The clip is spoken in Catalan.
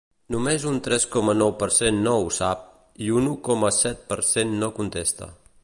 Només un tres coma nou per cent no ho sap i un u coma set per cent no contesta.